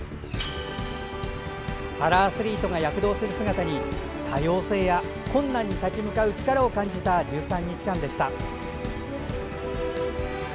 パラアスリートが躍動する姿に多様性や困難に立ち向かう力を感じた１３日間でした。